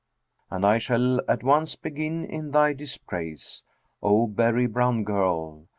And I shall at once begin in thy dispraise, O berry brown girl!